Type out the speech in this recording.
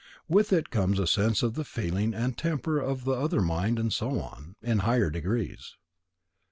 With it comes a sense of the feeling and temper of the other mind and so on, in higher degrees.